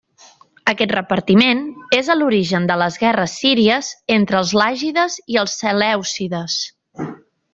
Aquest repartiment és a l'origen de les guerres síries entre els Làgides i Selèucides.